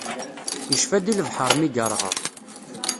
Icfa-d i lebḥeṛ mi yeṛɣa.